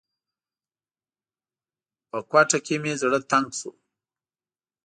په کوټه کې مې زړه تنګ شو.